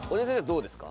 どうですか？